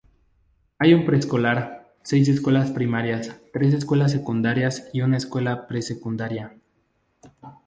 Hay un preescolar, seis escuelas primarias, tres escuelas secundarias y una escuela pre-secundaria.